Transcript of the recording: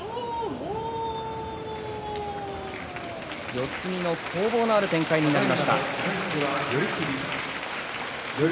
四つ身の攻防のある展開になりました。